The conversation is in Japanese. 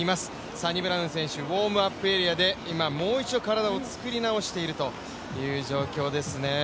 サニブラウン選手、ウォームアップエリアでもう一度体を作り直しているという状況ですね。